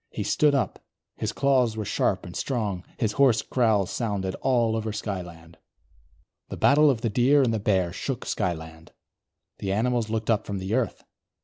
He stood up; his claws were sharp and strong; his hoarse growls sounded all over Skyland. The battle of the Deer and the Bear shook Skyland. The animals looked up from the earth.